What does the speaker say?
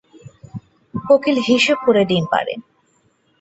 কোকিল হিসেব করে ডিম পাড়ে।